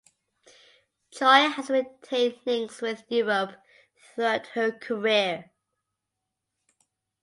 Choi has retained links with Europe throughout her career.